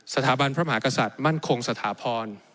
สถาบันพระมหากษัตริย์มั่นคงสถาพร